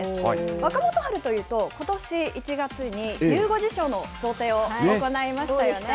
若元春というと、ことし１月にゆう５時賞の贈呈を行いましたよね。